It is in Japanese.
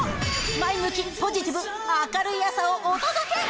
前向き、ポジティブ、明るい朝をお届け。